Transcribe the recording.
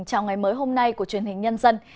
chào ngày mới hôm nay của truyền hình nhân dân